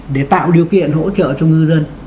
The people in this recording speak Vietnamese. để tạo điều kiện hỗ trợ cho ngư dân